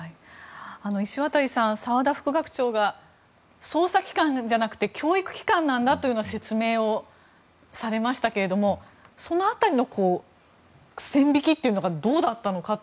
石渡さん澤田副学長が捜査機関じゃなくて教育機関なんだという説明をされましたけどその辺りの線引きというのがどうだったのか。